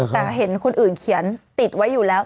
แต่เห็นคนอื่นเขียนติดไว้อยู่แล้ว